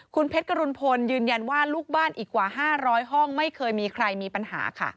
คุณเพชรกรุณพลยืนยันว่าลูกบ้านอีกกว่า๕๐๐ห้องไม่เคยมีใครมีปัญหาค่ะ